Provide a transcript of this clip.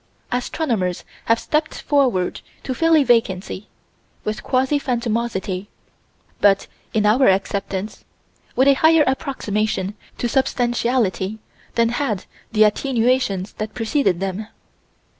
Astronomers have stepped forward to fill a vacancy with quasi phantomosity but, in our acceptance, with a higher approximation to substantiality than had the attenuations that preceded them.